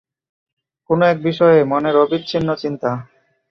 কোন এক বিষয়ে মনের অবিচ্ছিন্ন চিন্তা।